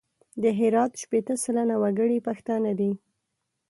د هرات شپېته سلنه وګړي پښتانه دي.